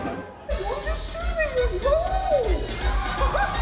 ４０周年を祝おう。